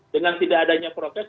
dengan tidak adanya prokes